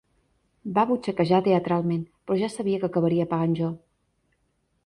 Va butxaquejar teatralment, però ja sabia que acabaria pagant jo.